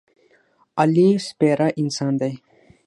علي سپېره انسان دی.